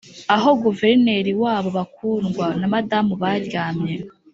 aho guverineri wabo bakundwa na madamu baryamye,